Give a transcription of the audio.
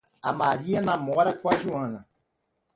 A Maria namora com a Joana